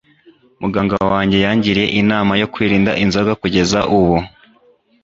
muganga wanjye yangiriye inama yo kwirinda inzoga kugeza ubu